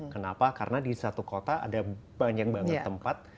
kenapa karena di satu kota ada banyak banget tempat